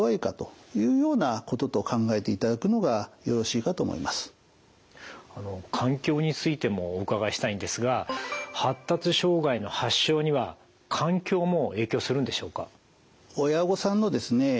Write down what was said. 従って環境についてもお伺いしたいんですが発達障害の発症には環境も影響するんでしょうか？